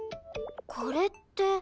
これって。